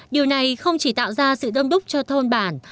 điều này không chỉ tạo ra sự đông đúc cho thôn bản